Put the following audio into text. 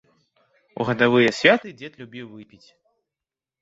У гадавыя святы дзед любіў выпіць.